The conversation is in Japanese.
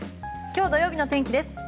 今日土曜日の天気です。